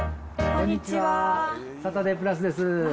サタデープラスです。